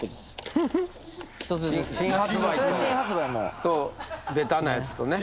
新発売とベタなやつとね。